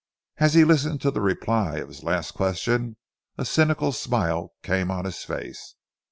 As he listened to the reply to his last question a cynical smile came on his face.